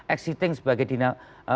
exiting sebagai dinamika